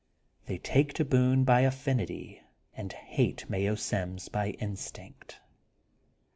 They take to Boone by af finity, and hate Mayo Sims by instinct.